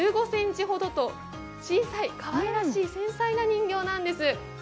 １５ｃｍほどと小さいかわいらしい繊細な人形なんです。